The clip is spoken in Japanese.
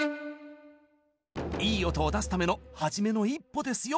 「いい音を出すためのはじめの一歩」ですよ！